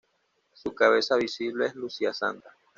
Su cabeza visible es Lucia Santa.